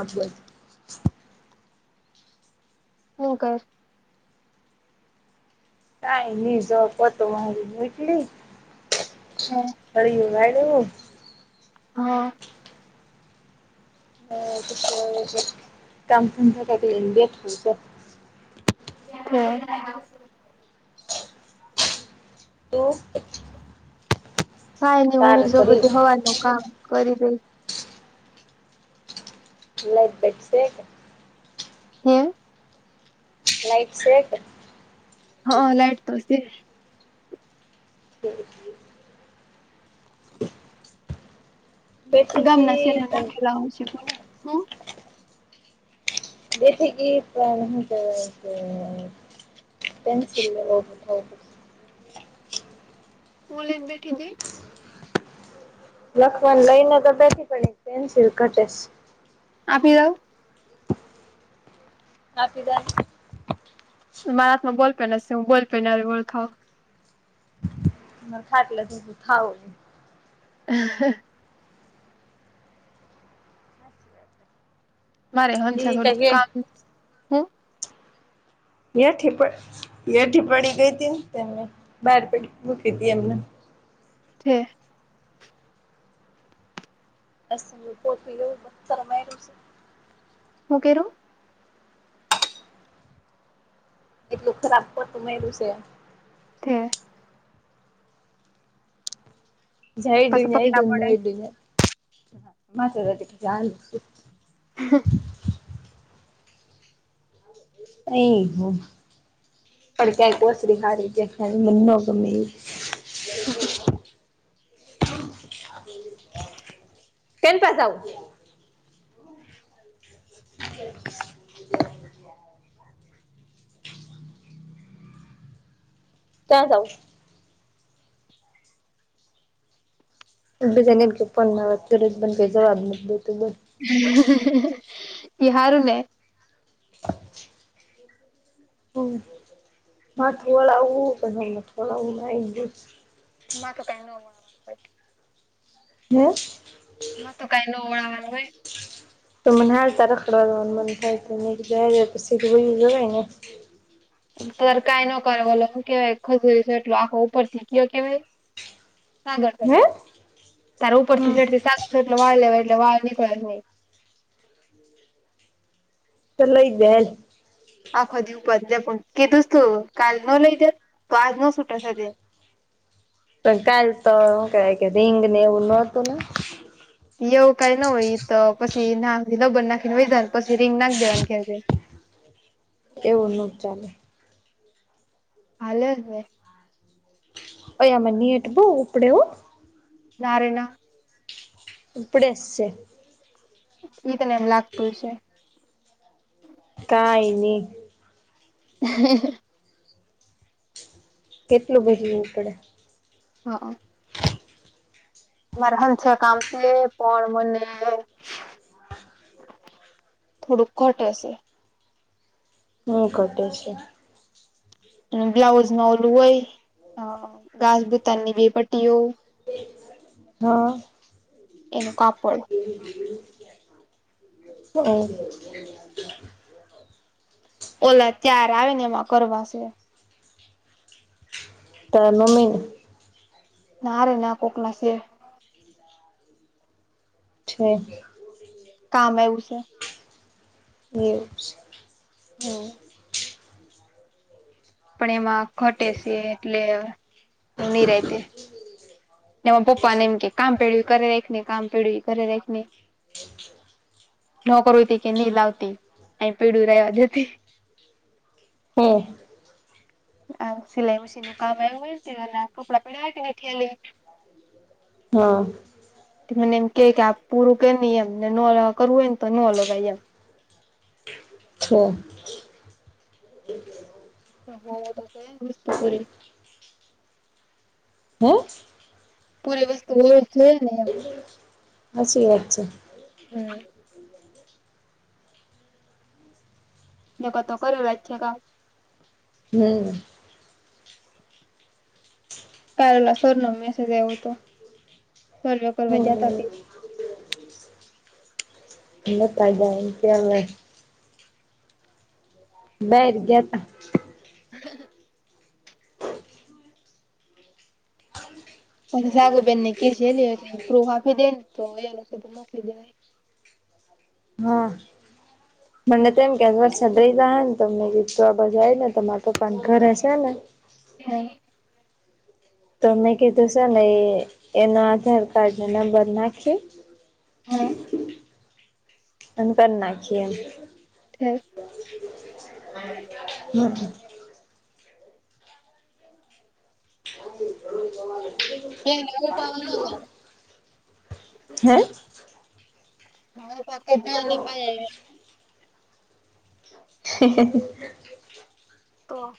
હાચી વાત હું કર કાઈની જો પોતું મારૂ [unintelligible] હરી વાયડ્યુ હા હ સુ કરે છે [unintelligible] હા એવુ કાઈ નઈ હું તારે બીજું બધુ કર્યું હવારનુ કામ કરી રહીશ કલાક બેઠશે કે હમ લાઇટ છે કે હ લાઈટ તો છે [inaudible] બેઠી ગામના તી પણ [inaudible] બેઠી કી પણ હું કેવાય કે [inaudible] હુ લઇને બેઠી તી લખવાનું લઈને તો બેઠી પણ એક પેન્સિલ ઘટેસ આપી આઉં આપી જાની મારા હાથમાં બોલપેન જ છે હું બોલપેન ઓળખાઓ [inaudible] [inaudible] મારે હંસે ઈ થોડુંક કઈ કામ હું બેઠી પપડ ઠી પડી ગઈ હતીને બાર પડી મૂકી હતી એમને થે [inaudible] હું કરું. એટલું ખરાબ પોતુ મારુ છે હે જાચડુ પાછા પગલા જાચડુ [inaudible] [inaudible] ફડક્યા કોસરી ખારી કે મો કેમી [inaudible] કેન પા જાઉ [inaudible] ત્યા જઉ બીજાને એમ કે ફોનમાં વાત કરે કોઈ જવાબ નથી દેતુ. ઇ હારું ને હમ માથું વાળ આવું પું વાળું ના ગ મા તો કઈ ન મળવા [inaudible] ના તો કઈ ન ઓળવા હોય [inaudible] ત કઈ ન કરે બલો કેવાય ખજૂરી છે એટલો આખો ઉપર થી કયો કેવાય સાગર ને હે સોટલો ત્યારે ઉપરથી હમ શેડતી સાગર સોટલો વાળલે વાટલે વાળ નીકળ જહી તો લઇ દે હાલ આખો દિ ઉપજ પણ કે કિધું જ તૂં કાલ નો લઈ જે તો આજ નો છટા થ પણ કાલ તો હૂકે રીંગ ને એવું નહોતું ને એવું કઈ ન હોય તો પછી નાખ લબન નાખીને હોય જને પછી રીંગ નાખ દેવાની ખેં એવું ન ચાલે હાલે ને એમાં નેટ બહુ ઉપડે હો ના રે ના ઉપડે સે ઈ તને એમ લાગતું છે કાઈ ની [inaudible] કેટલું બધું ઉપડે હા માર સંચે છે કામ છે પણ મને થોડુંક ઘટે છે હમ ઘટે છે. બ્લાઉઝ ન ઓલું હોય ગાજબીતાનની બે પટ્ટીઓ હા એનું કાપડ [inaudible] ઓલા ચાર આવે ને એમાં કરવાશે ત મ્મી ના રે ના કોકના છે છે કામ એ ઉસે એવું છે હોવ પણ એમાં ઘટે છે એટલે હવે નિરાતે એમાં પપ્પા ને એમ કે કામ પેડ્યુંએ કરે રાખને કામ પેડ્યું કરે એરાખને નોકરુ તી કે નહી લાવતી અને પેડયુ રવા દેતી. હે. આ સિલાઈ મશીન નું કામ આવું અને કપડાં પડ્યા હોય તે થેલી. હા. તે મને એમ કે કે આપ પૂરું કેમ નહીં એમને ન કરવું હોય ને તો નો લવા ઈ એમ. છે. તો હોયો તો છે હસ્તપૂરી. હે. પૂરી વસ્તુ હોવી છે ને એમ. હાચી વાત છે. હમ્મ. નકા તો કરું રાખીએ કામ. હમ્મ. કાલ ઓ લા સર નો મેસેજ આઇવો હતો સરવે કરવા ગ્યા તા હમ તી. એ તગે [unintelligible] બાર ગયા તા. હા ઓલું જાગુબેન ને કેસ એ લે એટલે પ્રૂફ આપી દે ને તો એ હશે ને તોમોકલી દેવાય. હા. હ મને તોમ કે વરસાદ રહી જાહે ને તો મેં કીધું તું આ બાજ આઇવ ને તો તમારા પપ્પાને ઘરે છે ને હા. તો મેં કીધું છે ને એ એના આધાર કાર્ડને નંબર નાખી હા અને કર નાખીએ એમ. હા હા. વા કંઈ નહિ હું પાવા ના જાઉં હૈં? હા પાક પા [unintelligible] હ હ હ તો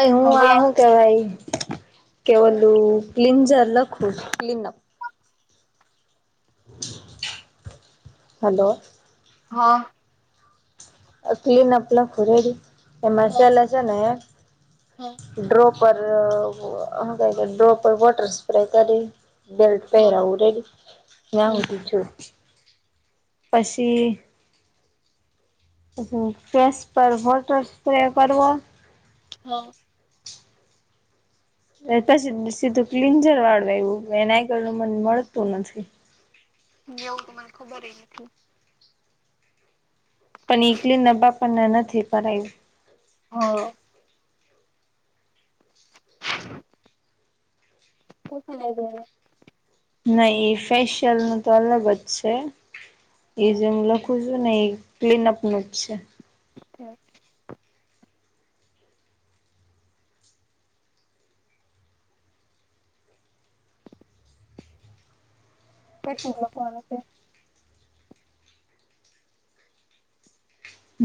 અહું હવે આ હું કેવાઈ કે હા ઓલુ ક્લિન્ઝર લખું છું, ક્લીિનર. હલો. હા. અહ ક્લીનઅપ લખું રેડી, તમે છેલે છે, હા ડ્રોપ ઉપર અહ હું કહે ડ્રોપર વોટર સ્પ્રે કરી બેલ્ટ હા પહેરાવું રેડીને ન્યા હમ સુધી છું, પછી હું કેસ પર વોટર સ્પ્રે કરવો હા. એ પછી સીધું ક્લિન્જર વાળવા એવું એનાય કરું મને મળતું નથી. એવું તો મને ખબર એ નથી. પણ ક્લીન અપ આપણ ને નથી કરાયું. હા. કોક ને ભરે. નહી એ ફેશિયલ નું તો અલગ જ છે, એ હા જેમ લખ પુછું નહી ક્લીનઅપ નું જ છે. તે આ કેટલું ગોતવાનું છે.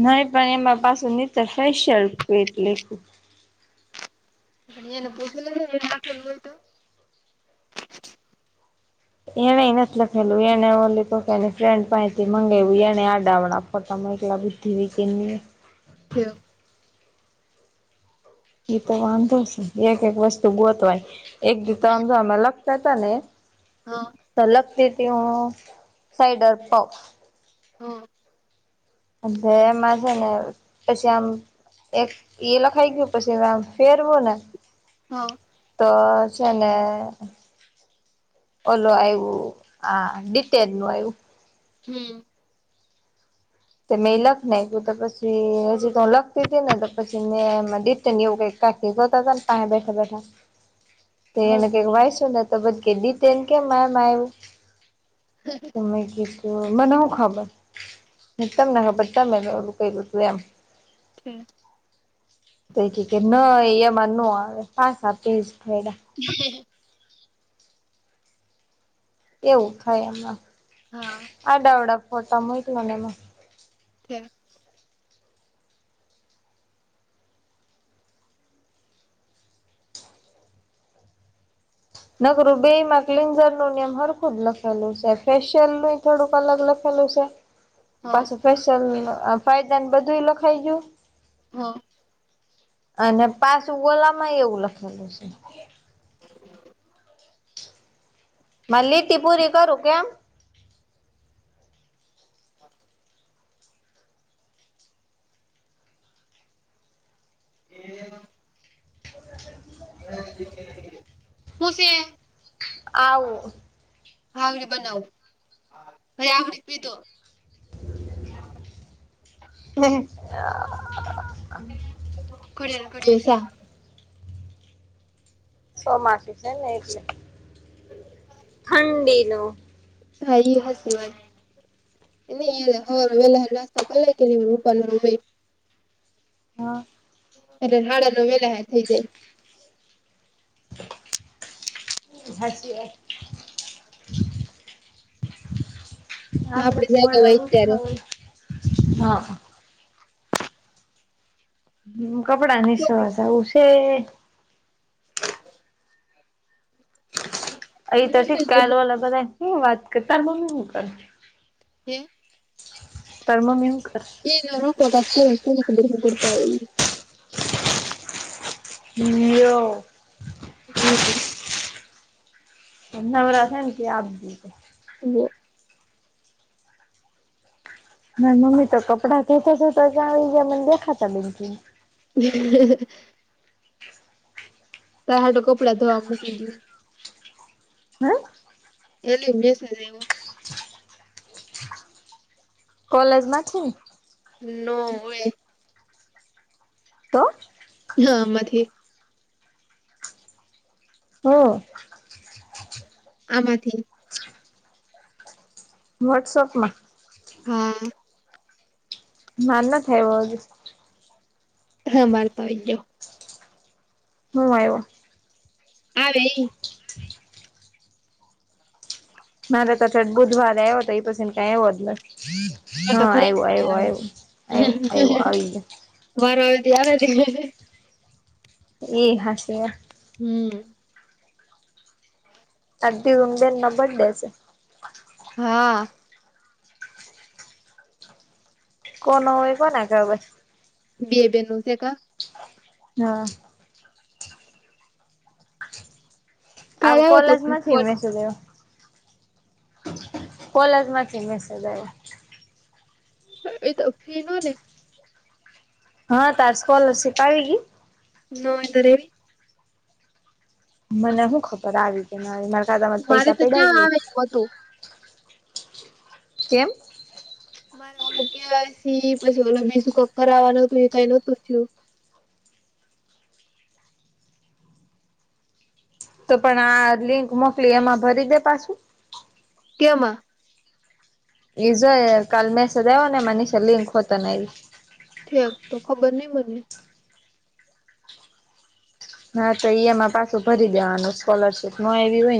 નહીં પણ એમાં પાછું નીચે ફેશિયલ કીટ લખું. એને પૂછી લેજો એ આપેલ હોતો. એણે નથી લખેલું એને ઓલી એની ફ્રેન્ડ પાસેથી મંગાવું એને આડા સવડા ફોટા મોકલા બોલ. ઘીવીસી ને. થયો. એતો વાંધો છે, એક એક વસ્તુ ગોતવાની એક દિ તો આમ જો લખતાતા નેહે. હા અલગતી તેઓ સાઈડર પંપ. હો. અ એમાં છે, ને પછી આમ. એક એ લખાઈ ગયું, પછી આમ ફેરવોને. હા, તો છે, ને ઓલો આવું હા ડિટેલ નું આવું. હમ. મેં એ લખી નાખ્યું, તો પછી હજી તો હું લખતી હતી, નેતો પછી મે ડિટન એવું કંઈક, કાકી જોતા ને પાસે બેઠા બેઠા, [inaudible] તો એને કંઈક વાયસું નેતો કે દીટેન કેમ આમા આવ્યું, હ અ, તો મેં કીધું મને શું ખબર, નિતના હબ તમે ઓલું કરું તું એમ, ઠીક, તોઈ કે કે નહીં એમાં નો આવે પાસા પેઈજ ફાયડા, હ [inaudible] એવું થાય એમાં, હા, આડાહવડા ફોટા મોકલા એમાં. છે, નકરૂ બેમા કલીંગજર નું સરખું લખેલું ફેશિયલ છે ફેશિયલ ન થોડુંક અલગ લખેલું છે, [inaudible] પાછું ફેશિયલ ફાયદા બધું લખાઈ ગયું. હા, અને પાચ ઉગલા માંય એવું લખેલું છે. [inaudible] મલી તી પૂરી કરું કેમ. [inaudible] એ. [unintelligible] હ [unintelligible] ખુશી. આવુ. હી બનાવ હ આવ પીધો. હમ. આ. ઘડિયાલ ઘટેસા. સોમાસી છે ને એટલે ઠંડીનું. થયુ હસી વન. નવેલા જાસ્તોક લ કે રૂપ ન બે. હા. એટલે હાડા નવ મેલા હ થઈ જ હાચી વાત આપડે તો મળું [unintelligible] હા હ કપડા નીસોવા જવું છે અહી તો હોય ઠીક ત્યારે કાલવાલ બધ વાત હુ વાત કરતાર તારી મમ્મી હુ કરે હમ્મ ટાર મમ્મી હુ કરે [unintelligible] કરતા હોયે યો હમ્મ નવરા થાય ને [unintelligible] હાલો ના મમ્મી તો કપડા ધોતા ધોતા આવીજ ગ્યા [unintelligible] [inaudible] ટાર હારું કપડાં ધોવા મૂકી ગ્યા [inaudible] એલી નુ મેસેંજ આયવો કોલેજ માંથી નો હોયે તો માથી [inaudible] આમાંથી વોટ્સઅપ માં હમ્મ માર નથ આયવો હાજુ હા મારતો આઈગયો હુ આયો હા આવે નારે તો બુધવાર એ હો તો એ પછ કઈ હોત હા આવ્યું તો ઘરે આવ્યું આવે આવ્યું આવ આવું આવી ગ વારો [unintelligible] એ હશે હમ્મ તે ઉમજે ને નંબર ડે હા કોનો હોય કોને ખબર - બે બેનો છે કે હા આવ કાલે આવ્યો હતો કોલેજ માથી ફોન મેસેજ આયો [inaudible] કોલેજ માંથી મેસેજ આયવો એ તો ફીનો ને હા તારી સ્કોલરશિપ આવીકે - [unintelligible] મને શું ખબર આવી કે મારે મારા ખાતા માંજ મારે પૈસા તો ક્યાં પડે આવે એમ હતું કેમ મારે ઓલું કેવાયસી પછી ઓલો બીજું કોકક કરવાનું હતું એ કઈ નોતું થયું. તો પણ આ લિંક મોકલી એમાં ભરી દે પાછું. કેમા - એઝા કાલે મેસેજ આયો ને તે કાલે મનીષા લિંક પોતાને આયવી ઠેક તો ખબર નહીં મને ના તો ઈ એમમાં પાછું ભરી દેવાનું સ્કોલરશીપ નો આયવી હોય